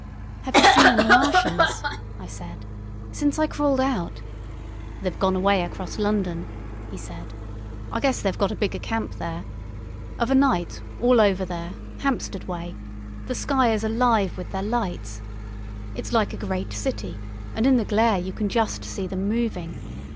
"Have you seen any Martians?" I said. "Since I crawled out——" "They've gone away across London," he said. "I guess they've got a bigger camp there. Of a night, all over there, Hampstead way, the sky is alive with their lights. It's like a great city, and in the glare you can just see them moving.